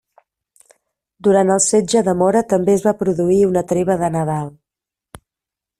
Durant el setge de Mora també es va produir una Treva de Nadal.